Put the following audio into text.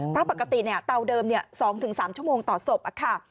เพราะปกติเนี่ยเตาเดิมเนี่ยสองถึงสามชั่วโมงต่อศพอะค่ะ